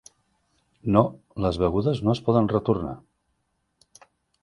No, les begudes no es poden retornar.